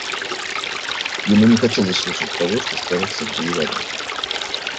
Ему не хотелось слушать того, что скажет Сергей Иванович.